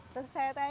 terus saya tanya